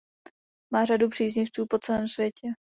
Má řadu příznivců po celém světě.